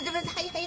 はい